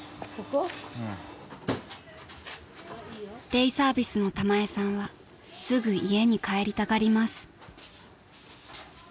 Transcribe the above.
［デイサービスのタマエさんはすぐ家に帰りたがります］